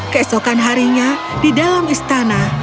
keesokan harinya di dalam istana